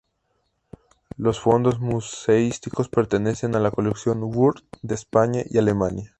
Los fondos museísticos pertenecen a las colecciones Würth de España y Alemania.